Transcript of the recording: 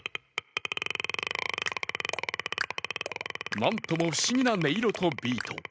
何とも不思議な音色とビート。